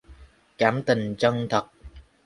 Cảm tình chân thật